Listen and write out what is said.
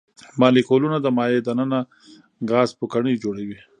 مالیکولونه د مایع د ننه ګاز پوکڼۍ جوړوي.